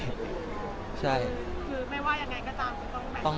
คือไม่ว่ายังไงก็ตามต้องมีเวลานอน